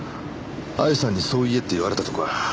愛さんにそう言えって言われたとか？